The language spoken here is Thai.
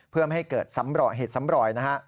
เพื่อไม่ให้เกิดเหตุสำรอย